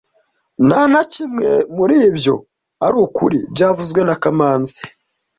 Nta na kimwe muri ibyo ari ukuri byavuzwe na kamanzi